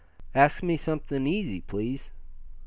"Ask me something easy, please?